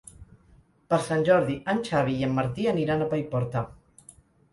Per Sant Jordi en Xavi i en Martí aniran a Paiporta.